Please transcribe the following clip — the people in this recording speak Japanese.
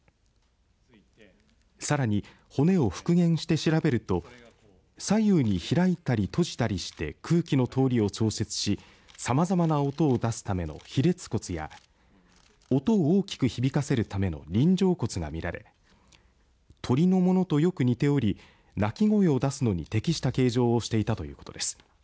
さらに骨を復元して調べると左右に開いたり閉じたりして空気の通りを調節しさまざまな音を出すための披裂骨や音を大きく響かせるための輪状骨が見られ鳥のものとよく似ており鳴き声を出すのに適した形状をしていたということです。